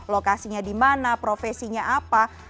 lokasinya di mana profesinya apa